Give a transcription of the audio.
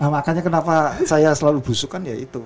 makanya kenapa saya selalu busuk kan ya itu